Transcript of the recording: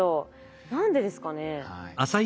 何でですかね？